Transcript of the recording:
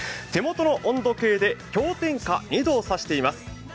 手元の温度計で氷点下２度を指しています。